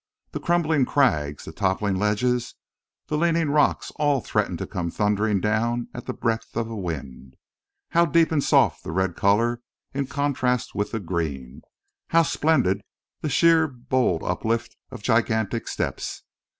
The crumbling crags, the toppling ledges, the leaning rocks all threatened to come thundering down at the breath of wind. How deep and soft the red color in contrast with the green! How splendid the sheer bold uplift of gigantic steps!